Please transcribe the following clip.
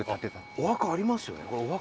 あお墓ありますよね。